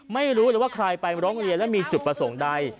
ไม่รู้เลยว่าใครไปร้องเรียนและมีจุดประสงค์ใด